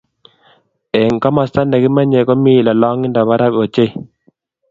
Eng komosta negimenye komi lolongindo barak ochei